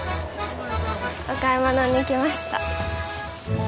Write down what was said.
お買い物に来ました。